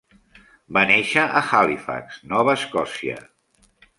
Va néixer a Halifax, Nova Escòcia.